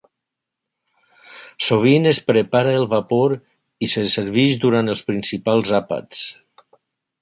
Sovint es prepara al vapor i se serveix durant els principals àpats.